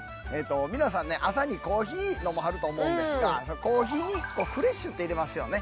皆さんね朝にコーヒー飲まはると思うんですがコーヒーにフレッシュって入れますよね。